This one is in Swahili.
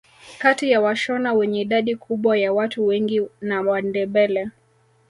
Kati ya washona wenye idadi kubwa ya watu wengi na Wandebele